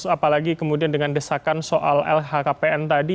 apalagi kemudian dengan desakan soal lhkpn tadi